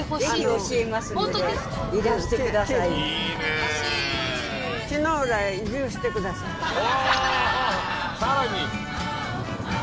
おさらに。